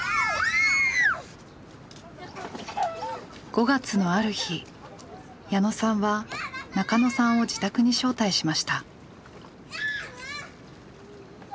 ５月のある日矢野さんは中野さんを自宅に招待しました。